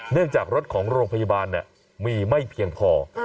เนื่องจากรถของโรงพยาบาลเนี่ยมีไม่เพียงพอ